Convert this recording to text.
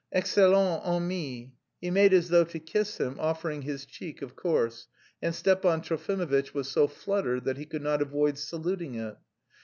excellent ami." He made as though to kiss him, offering his cheek, of course, and Stepan Trofimovitch was so fluttered that he could not avoid saluting it.